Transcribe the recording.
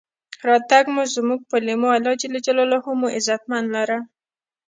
راتګ مو زمونږ پۀ لېمو، الله ج مو عزتمن لره.